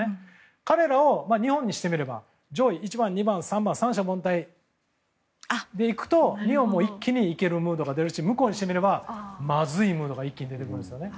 彼らを日本にしてみれば上位１番、２番、３番を三者凡退で行くともう一気に行けるムードが出るし向こうにしてみればまずいムードが出てくるんですよね。